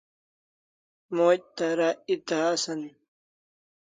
Moch tara eta asan